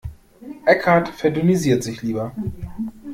Eckhart verdünnisiert sich lieber.